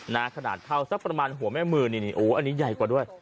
ขนาดเท่าสักประมาณหัวแม่มือนี่นี่โอ้อันนี้ใหญ่กว่าด้วย